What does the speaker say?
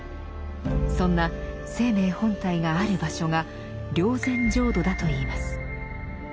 そんな「生命本体」がある場所が「霊山浄土」だといいます。